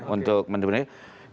untuk menteri perindustrian